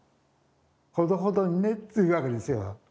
ほどほどにね」って言うわけですよ。